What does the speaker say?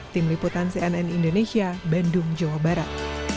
tim liputan cnn indonesia bandung jawa barat